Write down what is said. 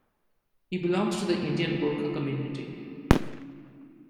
He belongs to the Indian Gorkha community.